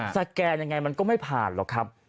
สแกนยังไงมันก็ไม่ผ่านหรอกครับ